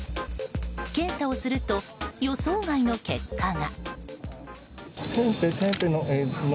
検査をすると予想外の結果が。